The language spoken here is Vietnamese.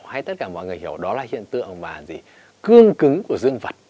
hay tất cả mọi người hiểu đó là hiện tượng cương cứng của dương vật